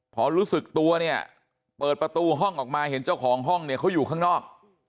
พอรู้สึกตัวเนี่ยเปิดประตูห้องออกมาเห็นเจ้าของห้องเนี่ยเขาอยู่ข้างนอก